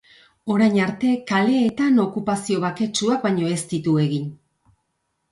Orain arte, kaleetan okupazio baketsuak baino ez ditu egin.